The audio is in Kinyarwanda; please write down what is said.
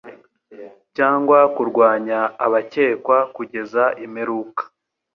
cyangwa kurwanya abakekwa kugeza imperuka